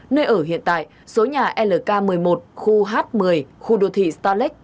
nơi ở hiện tại số nhà lk một mươi một khu h một mươi khu đồ thị starlake